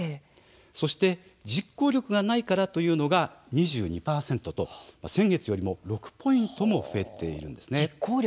そして、「実行力がないから」というのが２２％と先月よりも６ポイントも増えているんです。